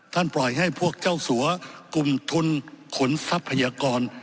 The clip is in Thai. ปล่อยให้พวกเจ้าสัวกลุ่มทุนขนทรัพยากร